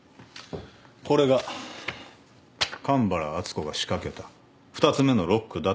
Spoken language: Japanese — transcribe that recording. これが神原敦子が仕掛けた２つ目のロックだとするなら？